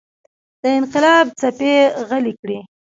د انقلاب څپې غلې کړي.